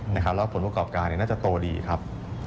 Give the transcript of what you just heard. แล้วผลประกอบการน่าจะโตดีครับ